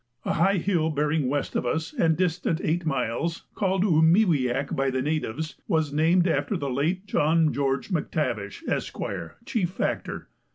A high hill bearing west of us, and distant eight miles, called Oo me we yak by the natives, was named after the late John George M'Tavish, Esq., Chief Factor.